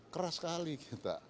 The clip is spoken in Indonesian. keras sekali kita